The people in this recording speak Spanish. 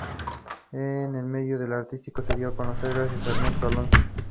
Fue internacional con la Selección de fútbol de Uruguay.